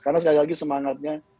karena sekali lagi semangatnya